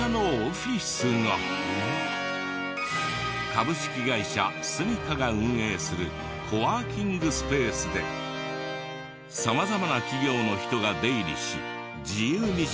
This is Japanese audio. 株式会社すみかが運営するコワーキングスペースで様々な企業の人が出入りし自由に仕事をする場所。